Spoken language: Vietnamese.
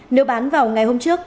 nếu bán vào ngày hôm trước